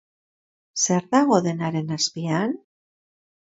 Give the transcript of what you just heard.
Zer dago denaren azpian?